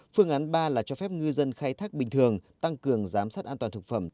phương án ba là cho phép ngư dân khai thác bình thường tăng cường giám sát an toàn thực phẩm